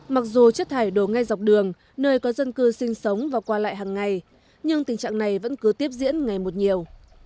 mặc dù chất thải đổ ngay dọc đường nơi có dân cư sinh sống và qua lại hàng ngày nhưng tình trạng này vẫn cứ tiếp diễn ngày một nhiều